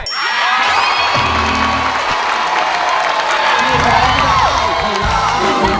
จากจากจาก